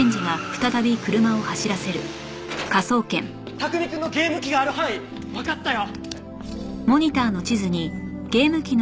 卓海くんのゲーム機がある範囲わかったよ！